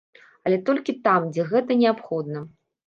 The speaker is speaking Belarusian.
Але толькі там, дзе гэта неабходна.